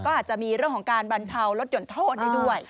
ก็อาจจะมีเรื่องของการบรรเทาลดหย่อนโทษได้ด้วย